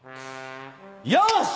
よし！